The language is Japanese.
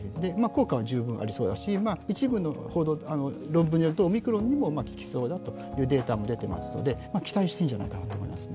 効果は十分ありそうだし、一部の論文によるとオミクロンにも効きそうですので、期待していいんじゃないかと思います。